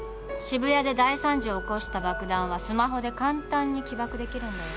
渋谷で大惨事を起こした爆弾はスマホで簡単に起爆できるんだよ